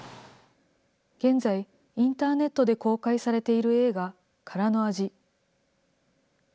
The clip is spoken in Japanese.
現在、インターネットで公開されている映画、空の味。